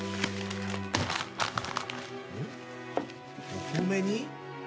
お米に。